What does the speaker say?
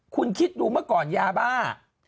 คุณคิดดูเมื่อก่อนยาบ้า